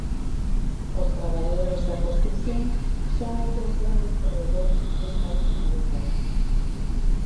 Os traballadores da construción son outros grandes perdedores desta última década.